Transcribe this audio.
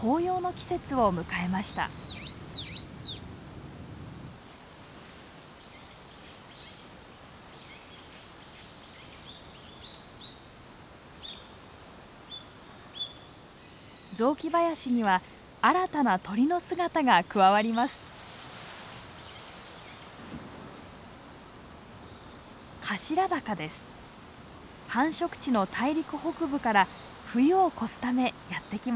繁殖地の大陸北部から冬を越すためやって来ました。